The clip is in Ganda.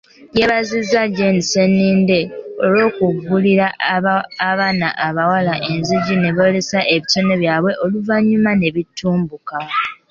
Yeebazizza Jean Sseninde olw'okuggulira abaana abawala enzigi ne boolesa ebitone byabwe oluvannyuma ne bitumbuka.